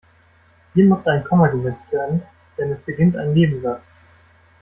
Hier musste ein Komma gesetzt werden, denn es beginnt ein Nebensatz.